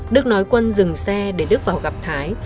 đức nói quân dừng xe để đức vào gặp thái